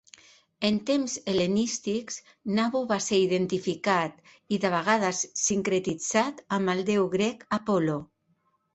En temps hel·lenístics, Nabu va ser identificat, i de vegades sincretitzat, amb el déu grec Apol·lo.